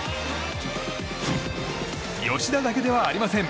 吉田だけではありません。